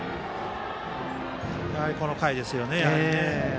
やはり、この回ですよね。